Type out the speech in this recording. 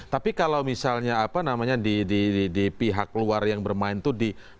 tapi kalau misalnya apa namanya di pihak luar yang bermain itu di